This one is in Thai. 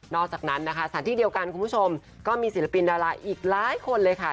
อกจากนั้นนะคะสถานที่เดียวกันคุณผู้ชมก็มีศิลปินดาราอีกหลายคนเลยค่ะ